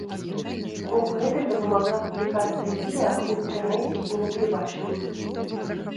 У гэтым дапамагла публікацыя відэа ў інтэрнэце і на тэлебачанні.